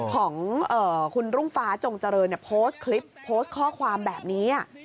ของคุณรุ่งฟ้าจงเจริญโพสต์คลิปโพสต์ข้อความแบบนี้